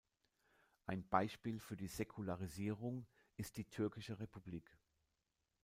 Ein Beispiel für die Säkularisierung ist die Türkische Republik.